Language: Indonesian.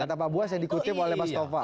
kan tapak buas yang dikutip oleh bapak mustafa